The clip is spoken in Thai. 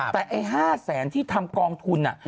แต่ไอ้๕๐๐๐๐๐บาทที่ทำกองทุนน่ะ